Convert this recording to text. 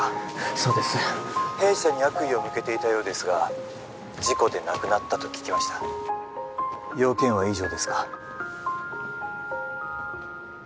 そうです☎弊社に悪意を☎向けていたようですが☎事故で亡くなったと聞きました用件は以上ですか？